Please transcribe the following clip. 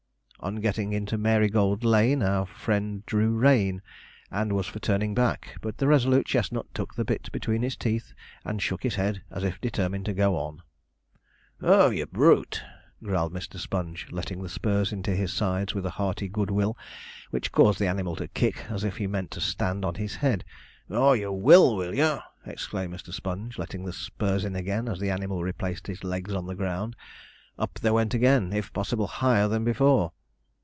On getting into Marygold Lane, our friend drew rein, and was for turning back, but the resolute chestnut took the bit between his teeth and shook his head, as if determined to go on. 'Oh, you brute!' growled Mr. Sponge, letting the spurs into his sides with a hearty good will, which caused the animal to kick, as if he meant to stand on his head. 'Ah, you will, will ye?' exclaimed Mr. Sponge, letting the spurs in again as the animal replaced his legs on the ground. Up they went again, if possible higher than before.